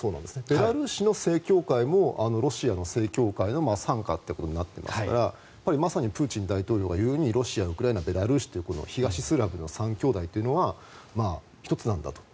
ベラルーシの正教会もロシアの正教会の傘下ということになってますからまさにプーチン大統領が言うようにロシア、ウクライナベラルーシという東スラブの３兄弟というのは１つなんだと。